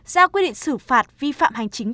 ra quy định xử phạt vi phạm hành chính